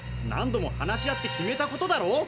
何度も話し合って決めたことだろ！